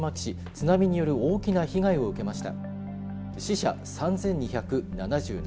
津波による大きな被害を受けました。